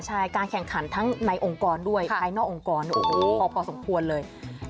ใช่การแข่งขันทั้งในองค์กรด้วยภายนอกองค์กรโอ้โหพอสมควรเลย